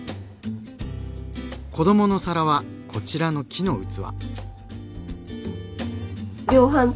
子どもの皿はこちらの木の器。